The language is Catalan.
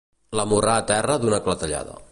L'amorrà a terra d'una clatellada.